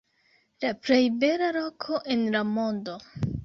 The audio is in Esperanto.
La plej bela loko en la mondo.